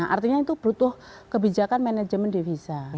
artinya itu butuh kebijakan manajemen devisa